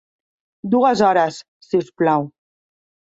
Dues hores, si us plau.